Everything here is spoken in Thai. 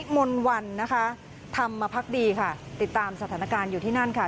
มาพักดีค่ะติดตามสถานการณ์อยู่ที่นั่นค่ะ